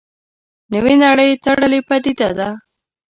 نوې نړۍ تړلې پدیده ده.